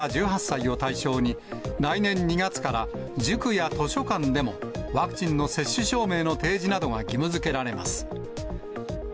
韓国では１２歳から１８歳を対象に、来年２月から塾や図書館でもワクチンの接種証明の提示などが義務づけられます。